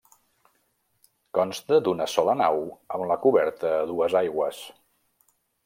Consta d'una sola nau amb la coberta a dues aigües.